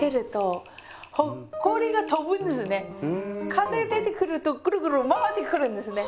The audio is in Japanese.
風出てくるとぐるぐる回ってくるんですね。